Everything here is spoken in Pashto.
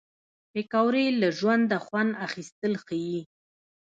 پکورې له ژونده خوند اخیستل ښيي